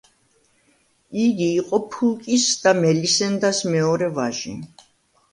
იგი იყო ფულკის და მელისენდას მეორე ვაჟი.